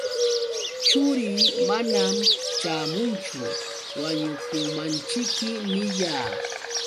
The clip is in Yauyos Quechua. Churii manam ćhaamunchu, wañukunmanćhiki niyaa.